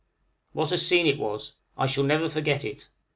What a scene it was! I shall never forget it.